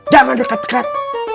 jangan dekat dekat